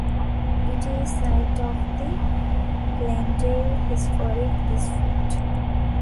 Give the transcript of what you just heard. It is site of the Glendale Historic District.